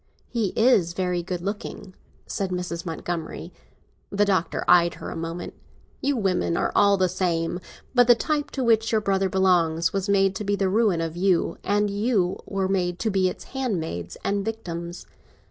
"He is very good looking," said Mrs. Montgomery. The Doctor eyed her a moment. "You women are all the same! But the type to which your brother belongs was made to be the ruin of you, and you were made to be its handmaids and victims.